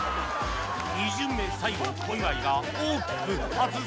２巡目最後小祝が大きく外す